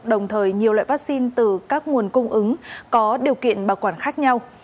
đồng thời nhiều loại vaccine từ các nguồn cung ứng có điều kiện bảo quản khác nhau